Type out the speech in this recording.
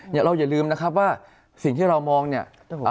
เราอย่าลืมนะครับว่าสิ่งที่เรามองเนี่ย